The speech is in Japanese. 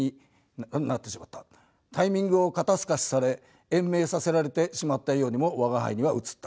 タイミングを肩すかしされ延命させられてしまったようにも吾輩には映った。